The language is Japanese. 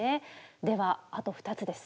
ではあと２つです。